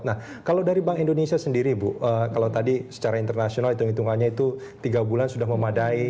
nah kalau dari bank indonesia sendiri bu kalau tadi secara internasional hitung hitungannya itu tiga bulan sudah memadai